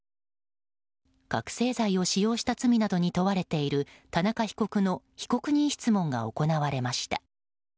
覚醒剤を使用した罪などに問われている田中被告の被告人質問が行われました。